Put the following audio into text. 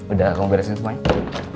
udah kamu beresin semuanya